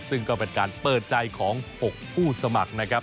ซึ่งก็เป็นการเปิดใจของ๖ผู้สมัครนะครับ